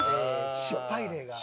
失敗例が。